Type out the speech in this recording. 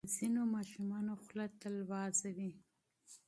د ځینو ماشومانو خوله تل وازه وي.